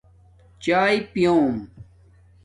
چاݵے پِلوم